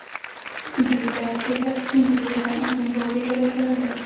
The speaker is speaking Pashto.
دوی باید په حساب کې پنځه زره زیمبابويي ډالر لرلای.